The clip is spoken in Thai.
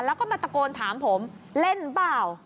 แล้วก็มาตะโกนถามผมเล่นเปล่า